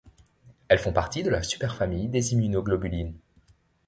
Elles font partie de la superfamille des immunoglobulines.